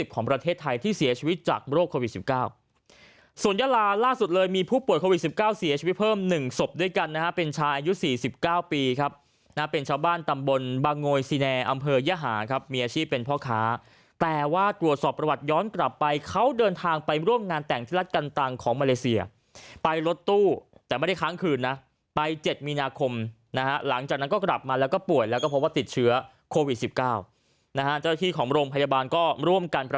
ของประเทศไทยที่เสียชีวิตจากโรคโควิด๑๙ส่วนยาลาล่าสุดเลยมีผู้ป่วยโควิด๑๙เสียชีวิตเพิ่มหนึ่งศพด้วยกันนะเป็นชายยุทธ์๔๙ปีครับเป็นชาวบ้านตำบลบางโงยซีแนน์อำเภยหาครับมีอาชีพเป็นพ่อค้าแต่ว่าตรวจสอบประวัติย้อนกลับไปเขาเดินทางไปร่วมงานแต่งที่รัฐการต่างของมาเลเซียไปร